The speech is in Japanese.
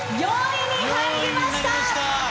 ４位に入りました。